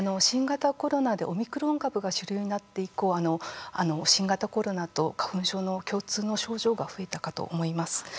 新型コロナでオミクロン株が主流になって以降新型コロナと花粉症の共通の症状が増えたかと思います。